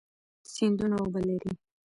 سیندونه اوبه لري.